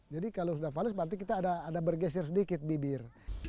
jadi kalau sudah fales berarti kita ada bergeser sedikit bibir